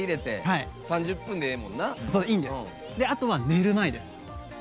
あとは寝る前です。